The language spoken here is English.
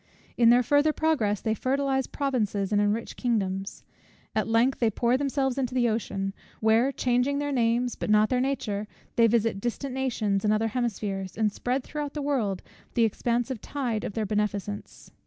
In their further progress they fertilize provinces and enrich kingdoms. At length they pour themselves into the ocean; where, changing their names but not their nature, they visit distant nations and other hemispheres, and spread throughout the world the expansive tide of their beneficence.